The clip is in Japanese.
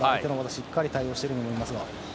しっかり対応していると思います。